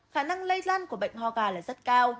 khả năng lây lan của bệnh ho gà là rất cao